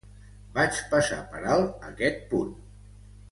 Vaig passar per alt aquest punt.